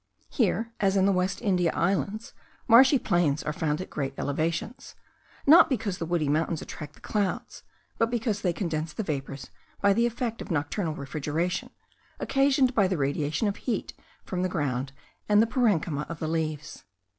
Here, as in the West India Islands, marshy plains are found at great elevations; not because the woody mountains attract the clouds, but because they condense the vapours by the effect of nocturnal refrigeration, occasioned by the radiation of heat from the ground, and from the parenchyma of the leaves.